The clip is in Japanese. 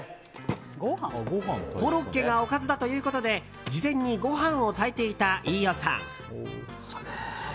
コロッケがおかずだということで事前にご飯を炊いていた飯尾さん。